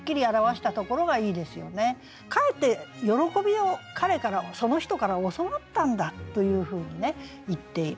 かえって喜びを彼からその人から教わったんだというふうに言っている。